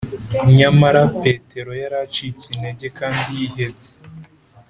nyamara petero yari acitse intege kandi yihebye